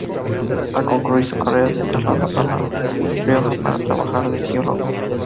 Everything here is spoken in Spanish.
Al concluir su carrera se trasladó a La Rioja para trabajar de geólogo.